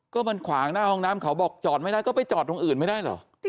ก็มันขวางหน้าห้องน้ำเขาบอกจอดไม่ได้ก็ไปจอดตรงอื่นไม่ได้เหรอ